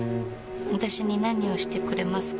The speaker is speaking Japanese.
私に何をしてくれますか？